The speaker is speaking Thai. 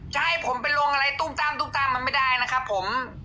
จะให้ผมไปลงอะไรตุ้มตั้มตุ้มตั้มมันไม่ได้นะครับผม